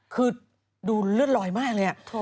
คือดูเลือดลอยมากเลย